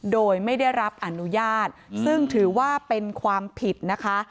โดยไม่ได้รับอนุญาตซึ่งถือว่าเป็นความผิดนะคะ